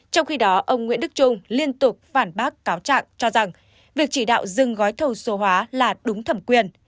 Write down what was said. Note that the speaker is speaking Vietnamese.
trong khi đó ông nguyễn đức trung liên tục phản bác cáo trạng cho rằng việc chỉ đạo dừng gói thầu số hóa là đúng thẩm quyền